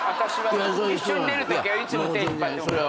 一緒に出るときはいつも手引っ張ってもらう。